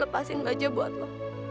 lepasin bajak buat lo